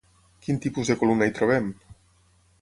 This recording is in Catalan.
Quin tipus de columna hi trobem?